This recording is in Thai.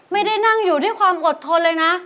ไม่ได้นั่งอยู่ด้วยความอดทนเลยนะ